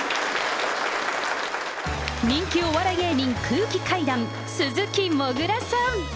人気お笑い芸人、空気階段・鈴木もぐらさん。